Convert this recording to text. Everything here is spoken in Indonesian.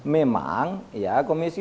memang ya komisi